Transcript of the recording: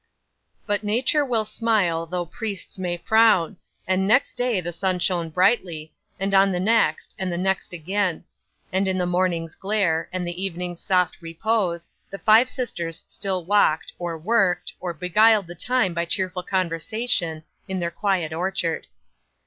'But nature will smile though priests may frown, and next day the sun shone brightly, and on the next, and the next again. And in the morning's glare, and the evening's soft repose, the five sisters still walked, or worked, or beguiled the time by cheerful conversation, in their quiet orchard.